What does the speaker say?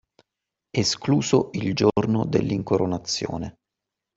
Escluso il giorno dell’incoronazione.